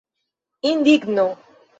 Indigno.